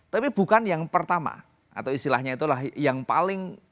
tapi bukan yang pertama atau istilahnya itulah yang paling